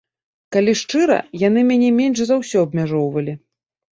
Калі шчыра, яны мяне менш за ўсё абмяжоўвалі.